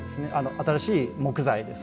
新しい木材です。